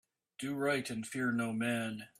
Do right and fear no man.